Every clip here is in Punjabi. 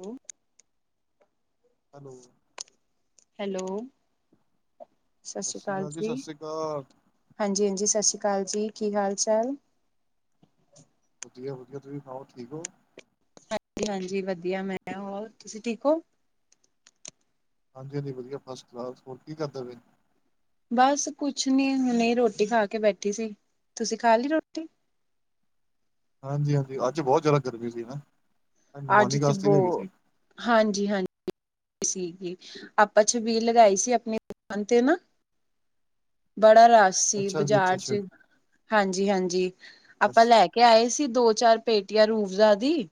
ਹਮ [inaudible] ਹੈਲੋ। ਹੈਲੋ। ਸਤਿ ਸ੍ਰੀ ਸ਼੍ਰੀ ਅਕਾਲ ਜੀ। ਸਤਿ ਸ਼੍ਰੀ ਅਕਾਲ ਹਾਂਜੀ- ਹਾਂਜੀ ਸਤਿ ਸ਼੍ਰੀ ਅਕਾਲ ਜੀ। ਕੀ ਹਾਲ -ਚਾਲ? ਵਧੀਆ -ਵਧੀਆ ਤੁਸੀਂ ਸੁਣਾਓ ਠੀਕ ਹੋ ਹਾਂਜੀ -ਹਾਂਜੀ ਵਧੀਆ ਮੈਂ ਹੋਰ ਤੁਸੀਂ ਠੀਕ ਹੋ ਹਾਂਜੀ- ਹਾਂਜੀ ਵਧੀਆ ਫਸਟ ਕਲਾਸ ਹੋਰ ਕੀ ਕਰਦਾ ਫਿਰ ਬਸ ਕੁਛ ਨੀ ਹੁਣੇ ਰੋਟੀ ਖਾ ਕੇ ਬੈਠੀ ਸੀ ਤੁਸੀਂ ਖਾ ਲਈ ਰੋਟੀ ਹਾਂਜੀ- ਹਾਂਜੀ ਅੱਜ ਬਹੁਤ ਜ਼ਿਆਦਾ ਗਰਮੀ ਸੀ ਨਾ ਅਨੁਮਾਨੀ ਗਾਸ ਦੀ ਵੀ ਹੈਗੀ ਸੀ ਹਾਂਜੀ-ਹਾਂਜੀ। ਸੀਗੀ, ਆਪਾਂ ਛਬੀਲ ਲਗਾਈ ਸੀ ਆਪਣੀ ਦੁਕਾਨ ਤੇ ਨਾ ਬੜਾ ਰਸ਼ ਸੀ, ਅੱਛਾ ਜੀ ਅੱਛਾ ਬਜ਼ਾਰ'ਚ ਅੱਛਾ ਹਾਂਜੀ-ਹਾਂਜੀ, ਆਪਾਂ ਅੱਛਾ ਲੈ ਕੇ ਆਏ ਸੀ ਦੋ-ਚਾਰ ਪੇਟੀਆ ਰੂਹ-ਅਵਜ਼ਾ ਦੀ।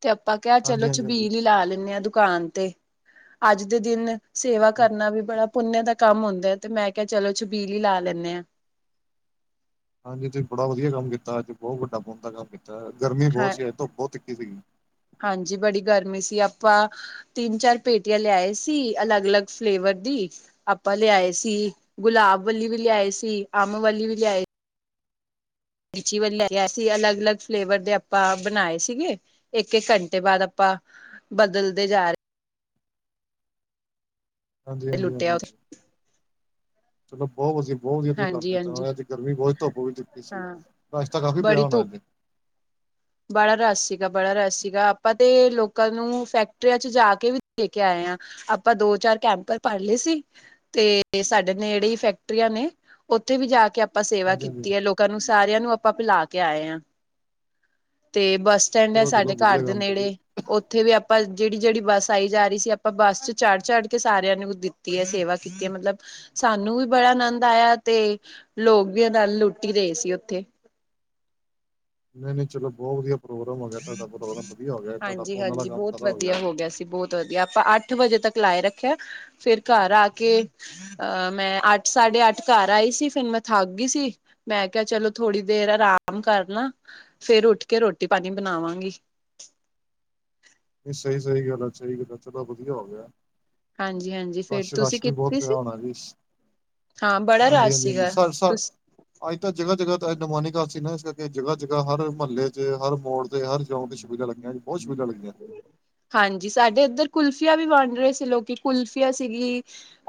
ਤੇ ਅਪਾ ਕਿਹਾ ਚਲੋ ਹਾਂਜੀ ਹਾਂਜੀ ਹਾਂਜੀ ਛਬੀਲ ਹੀ ਲਾ ਲੈਂਨੇ ਆ ਦੁਕਾਨ ਤੇ, ਅੱਜ ਦੇ ਦਿਨ ਸੇਵਾ ਕਰਨਾ ਵੀ ਬੜਾ ਪੁੁੰਨਯ ਦਾ ਕੰਮ ਹੁੰਦਾ ਹੈ, ਤੇ ਮੈਂ ਕਿਹਾ ਚਲੋ, ਛਬੀਲ ਈ ਲਾ ਲੈਂਨੇ ਆ। ਹਾਂਜੀ ਤੁਸੀਂ ਬੜਾ ਵਧੀਆ ਕੰਮ ਕੀਤਾ ਅੱਜ, ਬਹੁਤ ਵੱਡਾ ਪੁੰਨ ਦਾ ਕੰਮ ਕੀਤਾ। ਗਰਮੀ ਬਹੁਤ ਹਾਂ ਸੀ ਅੱਜ, ਧੁੱਪ ਬਹੁਤ ਤਿੱਖੀ ਸੀਗੀ। ਹਾਂਜੀ, ਬੜੀ ਗਰਮੀ ਸੀ। ਆਪਾ ਤਿੰਨ-ਚਾਰ ਪੇਟੀਆ ਲਿਆਏ ਸੀ ਅਲੱਗ-ਅਲੱਗ ਫਲੇਵਰ ਦੀ। ਆਪਾ ਲਿਆਏ ਸੀ, ਗੁਲਾਬ ਵਾਲੀ ਵੀ ਲਿਆਏ ਸੀ, ਅੰਬ ਵਾਲੀ ਵੀ ਲਿਆਏ ਲੀਚੀ ਵਾਲੀ ਸੀ ਅਲੱਗ-ਅਲੱਗ ਫਲੇਵਰ ਦੇ ਆਪਾਂ ਬਣਾਏ ਸੀਗੇ ਇੱਕ-ਇੱਕ ਘੰਟੇ ਬਾਅਦ ਆਪਾ ਬਦਲਦੇ ਜਾ ਰਹੇ ਹਾਂਜੀ ਹਾਂਜੀ ਹਾਂਜੀ ਲੁੱਟਿਆ ਹਾਂਜੀ ਉਸ ਚਲੋ ਬਹੁਤ ਵਧੀਆ, ਬਹੁਤ ਵਧੀਆ ਤੁਸੀਂ ਕੰਮ ਹਾਂਜੀ ਕੀਤਾ ਹਾਂਜੀ ਉਹ ਅੱਜ ਗਰਮੀ ਬਹੁਤ ਧੁੱਪ ਵੀ ਦਿੱਤੀ ਸੀ ਹਾਂ ਰਸ਼ ਤਾ ਕਾਫ਼ੀ ਪਿਆ ਬੜੀ ਹੋਣਾ ਧੁੱਪ ਇਥੇ ਬੜਾ ਰਸ਼ ਸੀਗਾ ਬੜਾ ਰਸ਼ ਸੀਗਾ ਆਪਾਂ ਤੇ ਲੋਕਾਂ ਨੂੰ ਫੈਕਟਰੀਆਂ ਚ ਜਾ ਕੇ ਵੀ ਦੇ ਕੇ ਆਏ ਆ ਆਪਾਂ ਦੋ ਚਾਰ ਕੈਂਪ ਪੜ ਲਏ ਸੀ, ਤੇ ਸਾਡੇ ਨੇ ਜਿਹੜੇ ਫੈਕਟਰੀਆਂ ਨੇ ਉੱਥੇ ਵੀ ਜਾ ਕੇ ਆਪਾਂ ਸੇਵਾ ਹਾਂਜੀ ਹਾਂਜੀ ਕੀਤੀ ਹੈ ਲੋਕਾਂ ਨੂੰ ਸਾਰਿਆਂ ਨੂੰ ਆਪਾਂ ਪਿਲਾ ਕੇ ਆਏ ਹਾਂ ਤੇ ਬੱਸ ਸਟੈਂਡ ਹੈ ਚਲੋ ਸਾਡੇ ਚਲੋ ਘਰ ਵਧੀਆ ਦੇ ਕੰਮ ਵਧੀਆ ਨੇੜੇ ਉੱਥੇ ਵੀ ਆਪਾਂ ਜਿਹੜੀ- ਜਿਹੜੀ ਬੱਸ ਆਈ ਜਾ ਰਹੀ ਸੀ ਆਪਾਂ ਬੱਸ ਚ ਚੜ੍ਹ- ਚੜ ਕੇ ਸਾਰਿਆਂ ਨੂੰ ਕੀਤੀ ਹੈ ਸੇਵਾ ਕੀਤੀ ਹੈ ਮਤਲਬ ਸਾਨੂੰ ਵੀ ਬੜਾ ਆਨੰਦ ਆਇਆ ਤੇ ਲੋਕ ਵੀ ਇਹ ਨਾਲ ਲੁੱਟ ਹੀ ਰਹੇ ਸੀ ਉੱਥੇ ਨਹੀਂ-ਨਹੀਂ ਚਲੋ ਬਹੁਤ ਵਧੀਆ ਪ੍ਰੋਗਰਾਮ ਹੋ ਗਿਆ ਤੁਹਾਡਾ ਪ੍ਰੋਗਰਾਮ ਵਧੀਆ ਹੋ ਗਿਆ ਤੁਹਾਡਾ ਹਾਂਜੀ ਪੁੰਨ ਦਾ ਹਾਂਜੀ ਕੰਮ ਬਹੁਤ ਸਾਰਾ ਹੋ ਗਿਆ ਵਧੀਆ ਅੱਜ ਸੀ ਬਹੁਤ ਵਧੀਆ ਆਪਾਂ ਅੱਠ ਵਜੇ ਤੱਕ ਲਾਏ ਰੱਖਿਆ, ਫਿਰ ਘਰ ਆ ਕੇ ਅਹ ਮੈਂ ਅੱਠ ਸਾਢੇ ਅੱਠ ਘਰ ਆਈ ਸੀ ਫਿਰ ਮੈਂ ਥੱਕ ਗਈ ਸੀ ਮੈਂ ਕਿਹਾ ਚਲੋ ਥੋੜ੍ਹੀ ਦੇਰ ਆਰਾਮ ਕਰ ਲਵਾਂ, ਫੇਰ ਉੱਠ ਕੇ ਰੋਟੀ ਪਾਣੀ ਬਣਾਵਾਂਗੀ ਨਹੀਂ ਸਹੀ- ਸਹੀ ਗੱਲ ਹੈ ਸਹੀ ਗੱਲ ਹੈ ਚਲੋ ਵਧੀਆ ਹੋ ਗਿਆ ਹਾਂਜੀ ਹਾਂਜੀ ਫੇਰ ਅੱਜ ਤੁਸੀਂ ਰਸ਼ ਵੀ ਬਹੁਤ ਕੀਤੀ ਪਿਆ ਸੀ ਹੋਣਾ ਜੀ ਇਸ ਹਾਂ ਬੜਾ ਹਾਂਜੀ- ਰਸ਼ ਹਾਂਜੀ- ਹਾਂਜੀ ਸੀਗਾ ਤੁਸ ਅੱਜ ਤਾਂ ਜਗ੍ਹਾ- ਜਗ੍ਹਾ ਤਾਂ ਅਨੁਮਾਨੀ ਇਕਾਦਸੀ ਨਾ ਇਸ ਕਰਕੇ ਜਗ੍ਹਾ- ਜਗ੍ਹਾ ਹਰ ਮਹੱਲੇ ਚ ਹਰ ਮੋੜ ਹਰ ਜਗਾ ਤੇ ਸ਼ਬੀਲਾ ਲੱਗੀਆਂ ਅਜ ਬਹੁਤ ਸ਼ਬੀਲਾਂ ਲੱਗੀਆਂ ਹਾਂਜੀ ਸਾਡੇ ਇੱਧਰ ਕੁਲਫੀਆ ਵੀ ਵੰਡ ਰਹੇ ਸੀ ਲੋਕੀ ਕੁਲਫੀਆ ਸੀਗੀ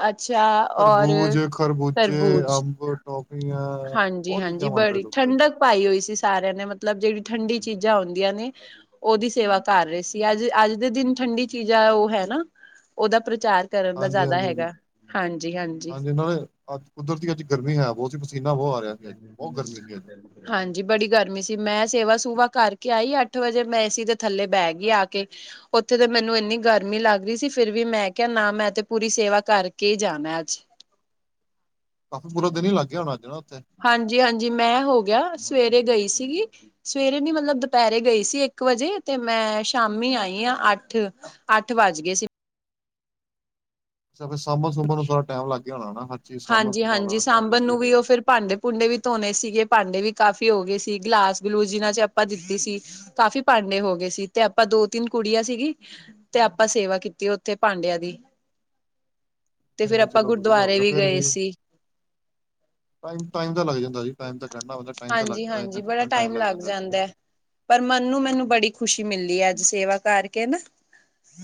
ਅੱਛਾ ਔਰ ਤਰਬੂਜ ਖਰਬੂਜੇ ਤਰਬੂਜ, ਅੰਬ ਟੌਫੀਆਂ ਹਾਂਜੀ ਜੀ ਬਹੁਤ ਹਾਂਜੀ ਚੀਜ਼ਾਂ ਵੰਡ ਰਹੇ ਬੜੀ ਲੋਕੀ ਅੱਜ ਠੰਡਕ ਪਾਈ ਹੋਈ ਸੀ ਸਾਰਿਆਂ ਨੇ ਮਤਲਬ ਜਿਹੜੀ ਠੰਡੀ ਚੀਜ਼ਾਂ ਹੁੰਦੀ। ਯਾਨੀ ਉਹਦੀ ਸੇਵਾ ਕਰ ਰਹੇ ਸੀ ਅੱਜ ਅੱਜ ਦੇ ਦਿਨ ਠੰਡੀ ਚੀਜ਼ਾਂ ਉਹ ਹੈ ਨਾ ਉਹਦਾ ਪ੍ਰਚਾਰ ਕਰਨ ਦਾ ਜ਼ਿਆਦਾ ਹੈਗਾ ਹਾਂਜੀ -ਹਾਂਜੀ ਤੇ ਨਾਲੇ ਅੱਜ ਕੁਦਰਤੀ ਅੱਜ ਗਰਮੀ ਹੈ ਬਹੁਤ ਸੀ ਪਸੀਨਾ ਬਹੁਤ ਆ ਰਿਹਾ ਸੀ ਅਜ ਬਹੁਤ ਗਰਮੀ ਸੀ ਅੱਜ ਹਾਂਜੀ ਹਾਂਜੀ ਬੜੀ ਗਰਮੀ ਸੀ ਮੈਂ ਸੇਵਾ ਸੂਵਾ ਕਰਕੇ ਆਈ ਅੱਠ ਵਜੇ ਮੈਂ ਏਸੀ ਦੇ ਥੱਲੇ ਬਹਿ ਗਈ ਆ ਕੇ ਉੱਥੇ ਤੇ ਮੈਨੂੰ ਇੰਨੀ ਗਰਮੀ ਲੱਗ ਰਹੀ ਸੀ ਫਿਰ ਵੀ ਮੈਂ ਕਿਹਾ ਨਾ ਮੈਂ ਤੇ ਪੂਰੀ ਸੇਵਾ ਕਰਕੇ ਹੀ ਜਾਣਾ ਅੱਜ ਅੱਜ ਤਾਂ ਪੂਰਾ ਦਿਨ ਹੀ ਲੱਗ ਗਿਆ ਹੋਣਾ ਉੱਥੇ ਹਾਂਜੀ- ਹਾਂਜੀ ਮੈਂ ਹੋ ਗਿਆ ਸਵੇਰੇ ਗਈ ਸੀਗੀ ਸਵੇਰੇ ਨੀ ਮਤਲਬ ਦੁਪਹਿਰੇ ਗਈ ਸੀ ਇੱਕ ਵਜੇ ਤੇ ਮੈਂ ਸ਼ਾਮੀ ਆਈ ਆਂ ਅੱਠ ਅੱਠ ਵੱਜ ਗਏ ਸੀ। ਅੱਛਾ ਫਿਰ ਸਾਂ ਸੁਭਣ ਨੂੰ ਸਾਰਾ ਟਾਈਮ ਲੱਗਣਾ, ਨਾ ਹਰ ਚੀਜ਼ ਸਾਂਭ ਸੰਭਾਲਣ ਹਾਂਜੀ-ਹਾਂਜੀ ਨੂੰ ਟਾਈਮ ਲੱਗ ਸਾਂਬਣ ਨੂੰ ਵੀ ਜਾਣੀ। ਉਹ ਫਿਰ ਭਾਂਡੇ ਭੂੰਡੇ ਵੀ ਧੋਣੇ ਸੀਗੇ, ਭਾਂਡੇ ਵੀ ਕਾਫੀ ਹੋ ਗਏ ਸੀ ਗਲਾਸ ਗਲੂਸ ਜਿਨਾਂ ਚ ਆਪਾਂ ਦਿੱਤੀ ਸੀ। ਕਾਫੀ ਭਾਂਡੇ ਹੋ ਗਏ ਸੀ, ਤੇ ਆਪਾਂ ਦੋ ਤਿੰਨ ਕੁੜੀਆਂ ਸੀਗੀ। ਤੇ ਆਪਾਂ ਸੇਵਾ ਕੀਤੀ ਉੱਥੇ ਪਾਂਡਿਆਂ ਦੀ, ਤੇ ਇਹ ਫਿਰ ਨ ਆਪਾਂ ਚਲੋ ਵਧੀਆ ਹੋ ਗੁਰਦੁਆਰੇ ਗਿਆ, ਫੇਰ ਗਏ ਵੀ, ਸੀ ਟਮ ਟਾਈਮ ਦਾ ਲੱਗ ਜਾਂਦਾ ਜੀ, ਟਾਈਮ ਤਾਂ ਕੱਢਨਾ ਹੁੰਦਾ ਟਾਈਮ ਤਾਂ ਲੱਗਦਾ, ਇਹਨਾਂ ਚੀਜਾਂ ਨੂੰ ਟਾਈਮ ਲੱਗ ਜਾਂਦਾ ਜੀ। ਪਰ ਮਨੂੰ-ਮੈਨੂੰ ਬੜੀ ਖ਼ੁਸ਼ੀ ਮਿਲਲੀ ਹੈ ਅੱਜ, ਸੇਵਾ ਕਰਕੇ ਨਾ।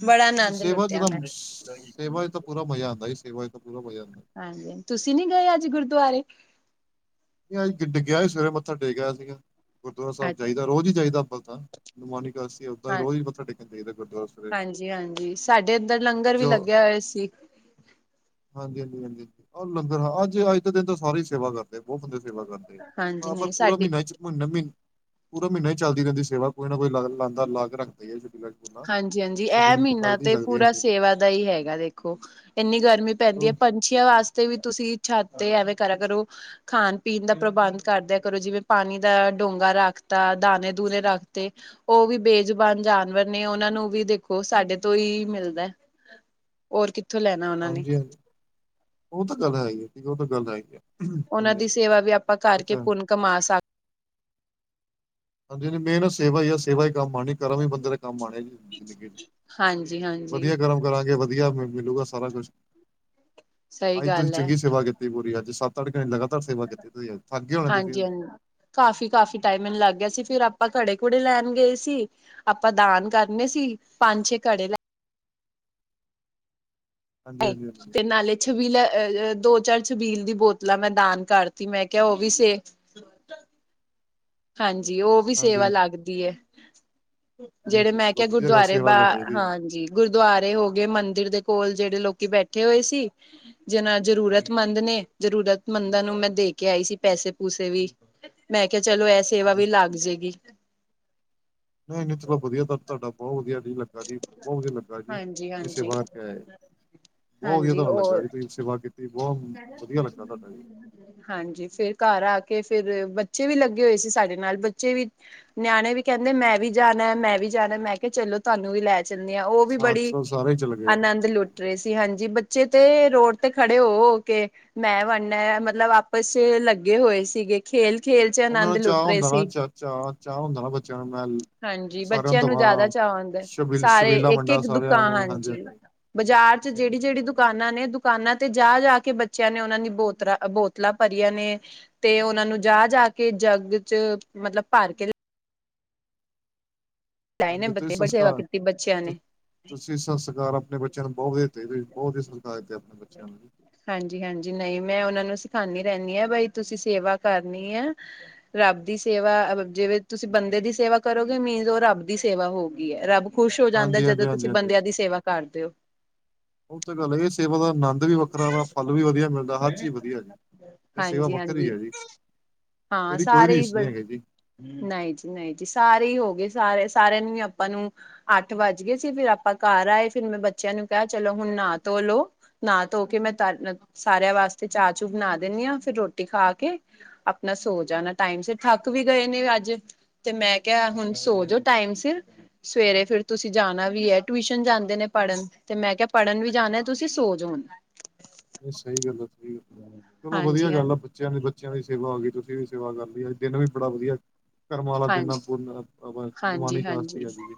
ਬੜਾ ਇਹ ਆਨੰਦ ਸੇਵਾ ਚ ਲੁੱਟਿਆ ਤਾਂ ਮੈਂ, ਸੇਵਾ ਚ ਤਾਂ ਪੂਰਾ ਮਜ਼ਾ ਆਉਦਾ ਹੀ ਸੇਵਾ ਤਾਂ ਪੂਰਾ ਮਜ਼ਾ ਹੈ। ਹਾਂਜੀ, ਤੁਸੀਂ ਨੀ ਗਏ ਅੱਜ ਗੁਰਦੁਆਰੇ ਡਿੱਗਿਆ ਹੀ ਸਵੇਰੇ ਮੱਥਾ ਟੇਕਿਆ ਸੀਗਾ ਗੁਰਦੁਆਰਾ ਸਾਹਿਬ ਜਾਈਦਾ ਰੋਜ਼ ਹੀ ਜਾਈਦਾ ਅੰਬਲ ਤਾਂ ਅਨੁਮਾਨੀ ਇਕਾਦਸੀ ਉਦਾਂ ਵੀ ਰੋਜ਼ ਮੱਥ ਟੇਕਣ ਜਾਈਦਾ ਗੁਰਦੁਆਰਾ ਸਵੇਰੇ ਜੀ ਹਾਂਜੀ, ਸਾਡੇ ਇੱਧਰ ਲੰਗਰ ਵੀ ਜੋ ਲੱਗਿਆ ਹੋਏ ਸੀ। ਹਾਂਜੀ-ਹਾਂਜੀ-ਹਾਂਜੀ, ਹਾਂ ਲੰਗਰਾਂ ਅੱਜ-ਅੱਜ ਦੇ ਦਿਨ ਤਾਂ ਸਾਰੀ ਹੀ ਸੇਵਾ ਕਰ। ਬਹੁਤ ਬੰਦੇ ਸੇਵਾ ਕਰਦੇ ਹਾਂਜੀ, ਆ, ਪਰ ਨਹੀਂ ਪੂਰਾ ਸਾਡੀ ਮਹੀਨਾ ਚ ਮਹੀਨਾ-ਮਹੀਨਾ ਪੂਰਾ ਮਹੀਨਾ ਹੀ ਚੱਲਦੀ ਰਹਿੰਦੀ ਸੇਵਾ, ਕੋਈ ਨਾ ਕੋਈ ਲਾਂਦਾ ਲਾ ਕੇ ਰੱਖਦਾ ਹੀ ਹੈ ਛੱ ਹਾਂਜੀ-ਹਾਂਜੀ, ਇਹ ਮਹੀਨਾ ਤੇ ਪੂਰਾ ਹਾਂਜੀ ਸੇਵਾ। ਦਾ ਹੀ ਹੈਗਾ, ਦੇਖੋ ਇੰਨੀ ਗਰਮੀ ਪੈਂਦੀ ਹੈ ਪਰ ਅੱਛੀਆਂ ਵਾਸਤੇ ਵੀ ਤੁਸੀਂ ਛੱਤ ਤੇ ਐਵੇਂ ਕਰਾ ਕਰੋ। ਖਾਣ ਪੀਣ ਦਾ ਪ੍ਰਬੰਧ ਕਰਦੇਿਆਂ ਕਰੋ, ਜਿਵੇਂ ਪਾਣੀ ਦਾ ਡੂੰਗਾ ਰੱਖਤਾ, ਦਾਣੇ-ਦੂਣੇ ਰੱਖਤੇ। ਉਹ ਵੀ ਬੇਜ਼ੁਬਾਨ ਜਾਨਵਰ ਨੇ ਉਹਨਾਂ ਨੂੰ ਵੀ ਦੇਖੋ, ਸਾਡੇ ਤੋਂ ਹੀ ਮਿਲਦਾ। ਹੋਰ ਕਿੱਥੋਂ ਲੈਣਾ? ਉਹਨਾਂ ਨੇ, ਹਾਂਜੀ-ਹਾਂਜੀ, ਉਹ ਤਾਂ ਗੱਲ ਹੈ ਹੀ ਹੈ, ਉਹ ਤਾਂ ਗੱਲ ਹੈ ਹੀ ਹੈ। ਉਹਨਾਂ ਹਾਂਜੀ ਦੀ ਹਾਂਜੀ ਸੇਵਾ ਵੀ ਆਪਾਂ ਕਰਕੇ ਬੱਚਾ ਪੁੰਨ ਕਮਾ ਸਕ ਹਾਂਜੀ-ਹਾਂਜੀ, ਮੇਨ ਸੇਵਾ ਹੀ ਆ ਸੇਵਾ ਹੀ ਕੰਮ ਆਣੀ। ਕਰਮ ਹੀ ਬੰਦੇ ਦੇ ਕੰਮ ਆਣੇ ਜੀ ਜ਼ਿੰਦਗੀ ਚ ਸਕ ਹਾਂਜੀ-ਹਾਂਜੀ। ਵਧੀਆ ਕਰਮ ਕਰਾਂਗੇ ਵਧੀਆ ਮਿਲੂਗਾ, ਸਾਰਾ ਕੁਛ ਸਹੀ ਅਜ ਤੁਸੀਂ ਗੱਲ ਹੈ ਚੰਗੀ ਸੇਵਾ ਕੀਤੀ। ਪੂਰੀ ਅੱ ਸੱਤ-ਅੱਠ ਘੰਟੇ ਲਗਾਤਾਰ ਸੇਵਾ ਕੀਤੀ ਤੁਸੀਂ ਅਜ ਥੱਕਗੇ ਹੋਣੇ ਤੁਸੀਂ ਕਾਫੀ-ਕਾਫੀ ਟਾਈਮ ਮੈਨੂੰ ਲੱਗ ਗਿਆ ਸੀ, ਫੇਰ ਆਪਾਂ ਘੜੇ-ਘੂੜੇ ਲੈਣ ਗਏ ਸੀ। ਆਪਾਂ ਦਾਨ ਕਰਨੇ ਸੀ, ਪੰਜ-ਛੇ ਘੜੇ ਲੈ ਹਾਂਜੀ ਹਾਂਜੀ ਹਾਂਜੀ ਹਾਂਜੀ ਤੇ ਨਾਲੇ ਛਬੀਲਾਂ ਦੋ-ਚਾਰ ਛਬੀਲ ਦੀ ਬੋਤਲਾਂ ਮੈਂ ਦਾਨ ਕਰਤੀ ਮੈਂ ਕਿਹਾ ਉਹ ਵੀ ਸੇ ਹਾਂਜੀ, ਉਹ ਵੀ ਹਾਂਜੀ ਸੇਵਾ ਲੱਗਦੀ ਹੈ। ਨਹੀਂ ਜਿਹੜੇ ਨਹੀਂ ਮੈਂ ਚਲੋ ਕਿਹਾ ਵਧੀਆ ਗੱਲ ਗੁਰਦੁਆਰੇ ਸੇਵਾ ਬਾ ਕਰਨੀ ਚਾਹੀਦੀ ਹੈ ਹਾਂਜੀ। ਗੁਰਦੁਆਰੇ ਹੋ ਗਏ, ਮੰਦਿਰ ਦੇ ਕੋਲ ਜਿਹੜੇ ਲੋਕੀ ਬੈਠੇ ਹੋਏ ਸੀ। ਜਿਨਾ ਜਰੂਰਤਮੰਦ ਨੇ ਜਰੂਰਤ ਮੰਦਾਂ ਨੂੰ ਮੈਂ ਦੇ ਕੇ ਆਈ ਸੀ ਪੈਸੇ-ਪੂਸੇ ਵੀ। ਮੈਂ ਕਿਹਾ ਚਲੋ, ਇਹ ਸੇਵਾ ਚਲੋ ਵੀ ਲੱਗ ਜਾਏਗੀ। ਨਹੀਂ-ਨਹੀਂ ਚਲੋ ਵਧੀਆ, ਤੁਹਾਡਾ ਬਹੁਤ ਵਧੀਆ ਨੀ ਲੱਗਾ ਜੀ ਬਹੁਤ ਵਧੀਆ ਲੱਗਾ ਜੀ। ਹਾਂਜੀ ਪੈਸੇ ਹਾਂਜੀ ਵਾਰ ਕੇ ਆਏ ਬਹੁਤ ਹਾਂਜੀ ਵਧੀਆ ਲੱਗਾ ਔਰ ਤੁਸੀਂ ਸੇਵਾ ਕੀਤੀ। ਬਹੁਤ ਵਧੀਆ ਲੱਗਾ ਤੁਹਾਡਾ ਜੀ। ਹਾਂਜੀ, ਫਿਰ ਘਰ ਆ ਕੇ ਫਿਰ ਬੱਚੇ ਵੀ ਲੱਗੇ ਹੋਏ ਸੀ ਸਾਡੇ ਨਾਲ ਬੱਚੇ ਵੀ ਨਿਆਣੇ ਵੀ ਕਹਿੰਦੇ ਮੈਂ ਵੀ ਜਾਣਾ- ਮੈਂ ਵੀ ਜਾਣਾ ਮੈਂ ਕਿਹਾ, ਚਲੋ ਤੁਹਾਨੂੰ ਵੀ ਲੈ ਸਿਨਿਆ ਉਹ ਵੀ ਸਾ ਬੜੀ ਚਲੋ ਸਾਰੇ ਹੀ ਚਲੇ ਗਏ ਆ। ਆਨੰਦ ਲੁੱਟ ਗਏਸੀ ਹਾਂਜੀ, ਬੱਚੇ ਤੇ ਰੋਡ ਤੇ ਖੜੇ ਹੋ-ਹੋ। ਕੇ ਮੈਂ ਵਣਨਾ ਮਤਲਬ ਆਪਸ ਲੱਗੇ ਹੋਏ ਸੀਗੇ। ਖੇਲ-ਖੇਲ ਚ ਉਹਨਾਂ ਆਨੰਦ ਨੂੰ ਚਾਹ ਲੁੱਟ ਰਹੇ ਹੁੰਦਾ ਸੀ ਨਾ ਚ ਚਾਹ-ਚਾਹ ਹੁੰਦਾ ਨਾ ਬੱਚਿਆਂ ਨੂੰ ਮੈ ਹਾਂਜੀ, ਬੱਚਿਆਂ ਨੂੰ ਜ਼ਿਆਦਾ ਚਾ ਆਦਾ ਸ਼ਬੀਲ ਸਾਰੇ ਸ਼ਬੀਲਾ ਇੱਕ- ਵੰਡਾ ਇੱਕ ਸਾਰਿਆਂ ਨੂੰ ਦੁਕਾਨ ਹਾਂਜੀ ਚ ਹਾਂਜੀ ਬਾਜ਼ਾਰ ਚ ਜਿਹੜੀ-ਜਿਹੜੀ ਦੁਕਾਨਾਂ ਨੇ ਦੁਕਾਨਾਂ ਤੇ ਜਾ-ਜਾ ਕੇ ਕਿ ਬੱਚਿਆਂ ਨੇ ਉਹਨਾਂ ਦੀ ਬੋਤਲਾਂ-ਬੋਤਲਾਂ ਭਰੀਆਂ ਨੇ ਤੇ ਉਹਨਾਂ ਨੂੰ ਜਾ-ਜਾ ਕੇ ਜੱਗ ਚ ਮਤਲਬ ਭਰ ਕੇ ਲਿਆਏ ਨੇ ਹਾਂਜੀ ਤੁਸੀਂ ਬੱਚੇ ਬੜੀ ਸੇਵਾ ਸੰਸਕਾਰ, ਕੀਤੀ ਬੱਚਿਆਂ ਤੂ ਨੇ ਤੁਸੀਂ ਸੰਸਕਾਰ ਆਪਣੇ ਬੱਚਿਆਂ ਨੂੰ ਬਹੁਤ ਵਧੀਆ ਦਿਤੇ ਬਹੁਤ ਵਧੀਆ ਸੰਸਕਾਰ ਦਿੱਤੇ ਆਪਣੇ ਬੱਚਿਆਂ ਨੂੰ। ਹਾਂਜੀ-ਹਾਂਜੀ, ਨਹੀਂ ਮੈਂ ਉਹਨਾਂ ਨੂੰ ਸਿਖਾਉਂਦੀ ਰਹਿੰਦੀ ਹਾਂ ਬਾਈ ਤੁਸੀਂ ਸੇਵਾ ਕਰਨੀ ਹੈ। ਰੱਬ ਦੀ ਸੇਵਾ ਜਿਵੇਂ ਤੁਸੀਂ ਬੰਦੇ ਦੀ ਸੇਵਾ ਕਰੋਗੇ ਮੀਨਜ਼ ਉਹ ਰੱਬ ਦੀ ਸੇਵਾ ਹੋ ਗਈ ਹੈ ਰੱਬ ਖੁਸ਼ ਹੋ ਜਾਂਦਾ ਹਾਂਜੀ ਹਾਂਜੀ ਜਦੋਂ ਹਾਂਜੀ ਤੁਸੀਂ ਹਾਂਜੀ ਬੰਦਿਆਂ ਦੀ ਸੇਵਾ ਕਰਦੇ ਓ। ਉਹ ਤਾਂ ਗੱਲ ਇਹ ਸੇਵਾ ਦਾ ਨੰਦ ਵੀ ਵੱਖਰਾ ਵਾ ਫਲ ਵੀ ਵਦੀਆ ਮਿਲਦਾ ਹਰ ਚੀਜ਼ ਵਦੀਆ ਜੀ। ਇਹ ਸੇਵਾ ਹਾਂਜੀ ਹਾਂਜੀ ਵੱਖਰੀ ਹੈਜੀ ਇਹਦੀ ਕੋਈ ਰੀਸ ਨਹੀਂ ਹੈਗੀ ਜੀ। ਹੂੰ, ਨਹੀਂ ਜੀ-ਨਹੀਂ ਜੀ ਸਾਰੇ ਹੀ ਹੋ ਗਏ ਸਾਰੇ-ਸਾਰਿਆਂ ਨੂੰ ਹੀ ਆਪਾਂ ਨੂੰ ਅੱਠ ਵੱਜ ਗਏ ਸੀ ਫਿਰ ਆਪਾਂ ਘਰ ਆਏ ਫਿਰ ਮੈਂ ਬੱਚਿਆਂ ਨੂੰ ਕਿਹਾ ਚਲੋ ਹੁਣ ਨਾ ਧੋਲੋ। ਨਾ ਧੋ ਕੇ ਮੈਂ ਤ ਸਾਰਿਆਂ ਵਾਸਤੇ ਚਾਹ ਚੂ ਬਣਾ ਦਿੰਦੀ ਹਾਂ ਫਿਰ ਰੋਟੀ ਖਾ ਕੇ ਆਪਣਾ ਸੋ ਜਾਣਾ ਟਾਈਮ ਸਿਰ ਥੱਕ ਵੀ ਗਏ ਨੇ ਅੱਜ। ਤੇ ਮੈਂ ਕਿਹਾ ਹੁਣ ਸੋ ਜਾ ਟਾਈਮ ਸਿਰ ਸਵੇਰੇ ਫਿਰ ਤੁਸੀਂ ਜਾਣਾ ਵੀ ਹੈ ਟਿਊਸ਼ਨ ਜਾਂਦੇ ਨੇ ਪੜ੍ਹਨ ਤੇ ਮੈਂ ਕਿਹਾ ਪੜ੍ਹਨ ਵੀ ਜਾਣਾ ਤੁਸੀਂ ਤੇ ਸੋ ਜਾਓ ਹੁਣ। ਸਹੀ ਗੱਲ ਐ [unintelligible] ਚਲੋ ਹਾਂਜੀ ਵਦੀਆ ਹਾਂ ਗੱਲ ਆ ਬੱਚਿਆਂ ਦੀ, ਬੱਚਿਆਂ ਦੀ ਸੇਵਾ ਹੋ ਗਈ, ਤੁਸੀਂ ਵੀ ਸੇਵਾ ਕਰ ਲਈ ਆਜ ਦਿਨ ਵੀ ਬੜਾ ਵਦੀਆ ਕਰਮਾ ਆਲਾ ਹਾਂ ਦਿਨ ਐ, ਪੁਰਨ ਅ ਬ ਨਮਾਨੀ ਹਾਂਜੀ ਕਾਸ਼ਤੀ ਹਾਂਜੀ ਆ ਦੀਦੀ।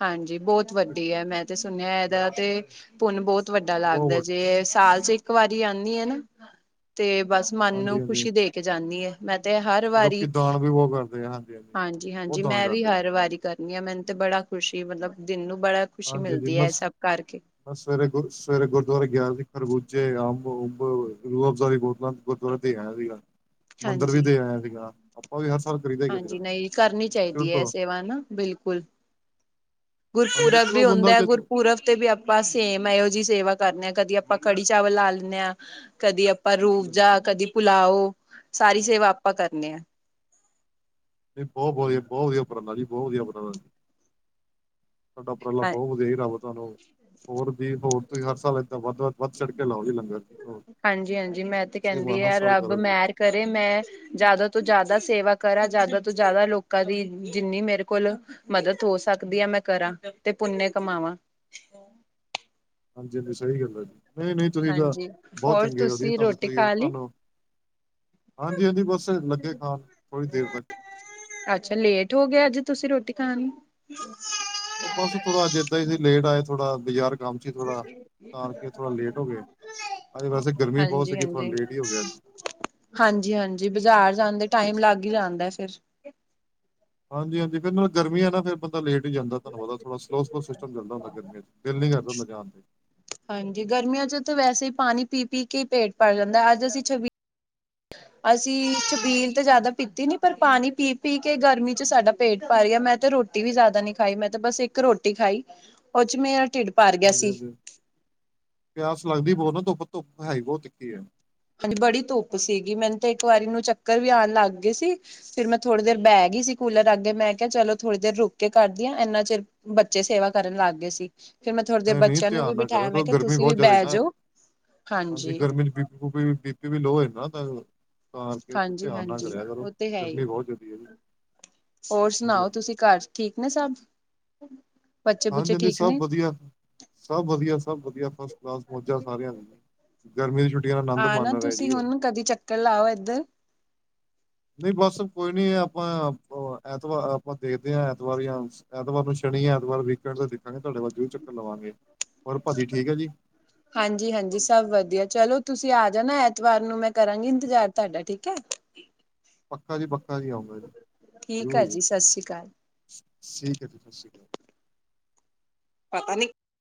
ਹਾਂਜੀ, ਬਹੁਤ ਵੱਡੀ ਐ ਮੈਂ ਤੇ ਸੁਣਿਆ ਇਹਦਾ ਤੇ ਪੁੰਨ ਬੋਤ ਵੱਡਾ ਬਹੁਤ ਲੱਗਦਾ ਵੱਡਾ ਜੇ ਸਾਲ ਚ ਇੱਕ ਵਾਰੀ ਆਣੀ ਆ ਨਾ ਤੇ ਬਸ ਮਨ ਹਾਂਜੀ ਨੂੰ ਹਾਂਜੀ ਖੁਸ਼ੀ ਦੇ ਕੇ ਜਾਂਦੀ ਏ, ਮੈਂ ਤੇ ਹਰ ਵਾਰੀ ਲੋਕੀ ਦਾਨ ਵੀ ਬਹੁਤ ਕਰਦੇ ਆ ਹਾਂਜੀ-ਹਾਂਜੀ। ਹਾਂਜੀ-ਹਾਂਜੀ, ਮੈਂ ਵੀ ਹਰ ਵਾਰੀ ਕਰਨੀ ਆ, ਮੈਨ ਤੇ ਬੜਾ ਖੁਸ਼ੀ ਮਤਲਬ ਦਿਲ ਨੂੰ ਬੜਾ ਖੁਸ਼ੀ ਹਾਂ, ਜੀਜੀ ਮਿਲਦੀ ਐ ਮਸ। ਸਭ ਕਰਕੇ ਮ ਸਵੇਰੇ ਗੁਰ ਸਵੇਰੇ ਗੁਰਦੁਆਰੇ ਗਿਆ ਸੀ, ਖਰਬੂਜੇ ਅੰਬ-ਉਂਬ ਰੂਅਬਜ਼ਾ ਦੀ ਬੋਤਲਾਂ ਗੁਰਦੁਆਰਾ ਤੇ ਆਇਆ ਸੀਗਾ, ਮੰਦਿਰ ਵੀ ਹਾਂਜੀ। ਤੇ ਆਇਆ ਸੀਗਾ, ਅਪਾਂ ਵੀ ਹਰ ਸਾਲ ਕਰੀਦਾ ਹੀ ਕਰੀਦਾ ਹਾਂਜੀ, ਨਈ ਕਰਨੀ ਸ਼ੁਰੂ ਚਾਹੀਦੀ ਐ, ਏ ਤੋਂ ਸੇਵਾ ਨਾ ਬਿਲਕੁਲ। ਹਾਂਜੀ ਗੁਰਪੁਰਬ ਚਲੋ ਵੀ ਬੰਦਾ ਹੁੰਦਾ ਐ ਕਿਤੇ ਗੁਰਪੁਰਬ ਵੀ ਅਪਾਂ ਸੇਮ ਇਹੋ ਜਿਹੀ ਸੇਵਾ ਕਰਨੇ ਆ, ਕਦੀ ਅਪਾਂ ਕੜੀ ਚਾਵਲ ਲਾ ਲੈਨੇ ਆ ਕਦੀ ਅਪਾਂ ਰੂਬਜ਼ਾ, ਕਦੀ ਪੁੁਲਾਓ, ਸਾਰੀ ਸੇਵਾ ਅਪਾਂ ਕਰਨੇ ਆ। ਨਈ ਬੋਤ ਵਦੀਆ, ਬੋਤ ਵਦੀਆ ਉਪਰਾਲਾ ਜੀ ਬੋਤ ਵਦੀਆ ਉਪਰਾਲਾ। ਤੁਆਡਾ ਉਪਰਾਲਾ ਹਾਂ ਬਹੁਤ ਵਦੀਆ ਈ ਰੱਬ ਤੁਹਾਨੂੰ ਹੋਰ ਦੀ ਹੋਰ ਤੁਸੀਂ ਹਰ ਸਾਲ ਏਦਾਂ ਵੱਧ ਵ ਵੱਧ ਛੜ ਕੇ ਲਾਓ ਜੀ ਲੰਗਰ ਦੀ ਹੋਰ ਹਾਂਜੀ ਮੈਂ ਤੇ ਸੇਵਾ ਕੈਦੀ ਹਰ ਐ ਸਾਲ ਰੱਬ ਕਰੋ ਜੀ ਮੈਰ ਕਰੇ ਮੈਂ ਜੈਦਾ ਤੋਂ ਜੈਦਾ ਸੇਵਾ ਕਰਾਂ ਜੈਦਾ ਤੋਂ ਜੈਦਾ ਲੋਕਾਂ ਦੀ ਜਿੰਨੀ ਮੇਰੇ ਕੋਲ ਮਦਦ ਹੋ ਸਕਦੀ ਐ ਮੈਂ ਕਰਾਂ ਤੇ ਪੁੰਨਯ ਕਮਾਵਾਂ। ਹਾਂਜੀ-ਹਾਂਜੀ ਸਈ ਗੱਲ ਐ ਜੀ, ਨਈ-ਨਈ ਤੁਸੀਂ ਤਾਂ ਹਾਂਜੀ ਬੋਤ ਹੋਰ ਚੰਗੇ ਓ ਜੀ, ਤੁਸੀਂ ਤੁਆਨੂੰ ਰੋਟੀ ਤੁਹੀ ਖਾ ਲਈ ਤੁਆਨੂੰ ਹਾਂਜੀ-ਹਾਂਜੀ ਬਸ ਲੱਗੇ ਖਾਣ, ਥੋੜੀ ਦੇਰ ਤੱਕ। ਅੱਛਾ ਲੇਟ ਹੋ ਗਏ ਅੱਜ ਤੁਸੀਂ ਰੋਟੀ ਖਾਣ ਨੂੰ। ਉਹ ਬਸ ਥੋੜਾ ਆਜ ਇਦਾਂ ਈ ਸੀ ਲੇਟ ਆਏ, ਥੋੜਾ ਬਜ਼ਾਰ ਹੋ ਗਏ ਅੱਜ ਵੈਸੇ ਗਰਮੀ ਬਹੁਤ ਸੀਗੀ ਥੋੜਾ ਹਾਂਜੀ-ਹਾਂਜੀ। ਲੇਟ ਹੀ ਹੋ ਗਿਆ ਅੱਜ ਹਾਂਜੀ-ਹਾਂਜੀ, ਬਾਜ਼ਾਰ ਜਾਂਦੇ ਟਾਈਮ ਲੱਗ ਈ ਜਾਂਦਾ ਫਿਰ। ਹਾਂਜੀ-ਹਾਂਜੀ, ਫਿਰ ਨਾਲੇ ਗਰਮੀ ਐ ਨਾ ਫਿਰ ਬੰਦਾ ਲੇਟ ਈ ਜਾਂਦਾ ਧੰਨਵਾਦ ਥੋੜਾ ਕਲੋਸ ਫੋਸ ਸਿਸਟਮ ਚੱਲਦਾ ਹੁੰਦਾ ਗਰਮੀਆਂ ਚ ਦਿਲ ਨਈ ਕਰਦਾ ਹੁੰਦਾ ਜਾਣ ਤੇ ਹਾਂਜੀ, ਗਰਮੀਆਂ ਚ ਤਾਂ ਵੈਸੇ ਈ ਪਾਣੀ ਪੀ-ਪੀ ਕੇ ਈ ਪੇਟ ਭਰ ਜਾਂਦਾ ਐ, ਅੱਜ ਅਸੀਂ ਛੱਬੀ ਅਸੀਂ ਚਬੀਲ ਤੇ ਜੈਦਾ ਪੀਤੀ ਨੀ ਪਰ ਪਾਣੀ ਪੀ-ਪੀ ਕੇ ਗਰਮੀ ਚ ਸਾਡਾ ਪੇਟ ਭਰ ਗਿਆ ਮੈਂ ਤੇ ਰੋਟੀ ਰੋਟੀ ਵੀ ਜੈਦਾ ਨੀ ਖਾਈ ਮੈਂ ਤੇ ਬਸ ਇੱਕ ਰੋਟੀ ਖਾਈ ਉਹ ਚ ਮੇਰਾ ਢਿਡ ਹਾਂਜੀ-ਹਾਂਜੀ, ਪਿਆਸ ਲੱਗਦੀ ਬੋਤ ਨਾ ਧੁੱਪ, ਧੁੱਪ ਹੈਈ ਬੋਤ ਤਿੱਖੀ ਐ। ਹਾਂਜੀ, ਬੜੀ ਧੁੱਪ ਸੀਗੀ ਮੈਨ ਤੇ ਇੱਕ ਵਾਰੀ ਨੂੰ ਚੱਕਰ ਵੀ ਆਣ ਲੱਗ ਗਏ ਸੀ। ਫਿਰ ਮੈਂ ਥੋੜੀ ਦੇਰ ਬਹਿ ਗਈ ਸੀ ਕੂਲਰ ਆਗੇ ਮੈ ਕਿਆ ਚਲੋ ਥੋੜੀ ਦੇਰ ਰੁਕ ਕੇ ਕਰਦੀਆਂ, ਇਨਾ ਚਿਰ ਬੱਚੇ ਸੇਵਾ ਕਰਨ ਲਗ ਗਏ ਸੀ। ਫਿਰ ਮੈਂ ਥੋੜੀ ਦੇਰ ਨਹੀਂ ਨਹੀਂ ਬੱਚਿਆਂ ਨੂੰ ਵੀ ਧਿਆਨ ਨਾ ਬਿਠਾਇਆ ਕਰੋ ਮੈ ਕਿਉਂਕਿ ਕਿਆ ਗਰਮੀ ਤੁਸੀ ਵੀ ਬਹੁਤ ਜ਼ਿਆਦਾ ਹੈ ਬਹਿ ਜੋ ਹਾਂਜੀ ਬੀ ਪੀ ਵੀ ਲੋ ਨਾ ਤਾਂ ਕਰਕੇ ਹਾਂਜੀ ਧਿਆਨ ਨਾਲ ਹਾਂਜੀ ਕਰਿਆ ਕਰੋ, ਉਹ ਤੇ ਹੈ ਹੀ ਗਰਮੀ ਬਹੁਤ ਜਾਦੀ ਹੈ ਜੀ। ਹੋਰ ਹਾਂਜੀ ਸੁਣਾਓ ਹਾਂਜੀ ਤੁਸੀ ਘਰ ਠੀਕ ਨੇ ਸਭ? ਬੱਚੇ ਬੁੱਚੇ ਹਾਂਜੀ-ਹਾਂਜੀ ਠੀਕ ਸਭ ਨੇ ਵਧੀਆ, ਸਭ ਵਧੀਆ ਸਭ ਵਧੀਆ ਫਸ ਕਲਾਸ ਮੋਜਾਂ ਸਾਰਿਆ ਦੀਆ। ਗਰਮੀ ਦੀ ਛੁੱਟੀਆਂ ਦਾ ਆਨੰਦ ਮਾਣ ਰਹੇ ਜੀ ਉਹ। ਕਰ ਲਾਓ ਇਧਰ ਨਈ ਬਸ ਕੋਈ ਨੀ ਆਪਾ ਐਤਵਾਰ ਆਪਾ ਦੇਖਦੇ ਆ ਐਤਵਾਰ ਜਾ ਐਤਵਾਰ ਨੂੰ ਸ਼ਨੀ, ਐਤਵਾਰ ਵੀਕਐਂਡ ਤੋਂ ਦੇਖਾਂਗੇ ਤੁਆਡੇ ਵਾਲ ਜ਼ਰੂਰ ਚੱਕਰ ਲਵਾਂਗੇ। ਹੋਰ, ਭਾਜੀ ਠੀਕ ਐ ਜੀ। ਹਾਂਜੀ-ਹਾਂਜੀ, ਸਬ ਵਦੀਆ ਚਲੋ ਤੁਸੀਂ ਆ ਜਾਣਾ ਐਤਵਾਰ ਨੂੰ ਮੈਂ ਕਰਾਂਗੀ ਇੰਤਜ਼ਾਰ ਤੁਆਡਾ ਠੀਕ ਐ। ਪੱਕਾ ਜੀ, ਪੱਕਾ ਜੀ, ਆਉਂਗਾ ਜੀ। ਠੀਕ ਐ ਜੀ, ਸਾਸੀ ਕਾਲ ਠੀਕ ਐ ਜੀ, ਸਸ ਸ੍ਰੀ ਕਾਲ ਪਤਾ ਨੀ